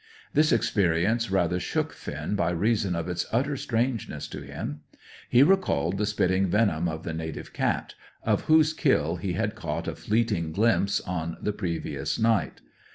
This experience rather shook Finn by reason of its utter strangeness to him. He recalled the spitting venom of the native cat, of whose kill he had caught a fleeting glimpse on the previous night.